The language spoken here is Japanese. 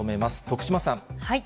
徳島さん。